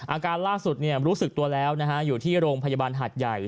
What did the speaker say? อาการล่าสุดรู้สึกตัวแล้วอยู่ที่โรงพยาบาลหัดใหญ่